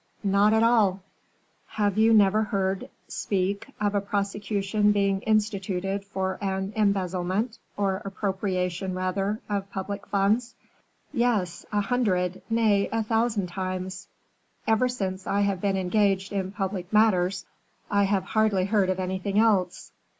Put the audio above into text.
"Not at all." "Have you never heard speak of a prosecution being instituted for an embezzlement, or appropriation rather, of public funds?" "Yes, a hundred, nay, a thousand times. Ever since I have been engaged in public matters I have hardly heard of anything else.